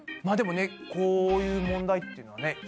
まあでもねこういう問題っていうのはね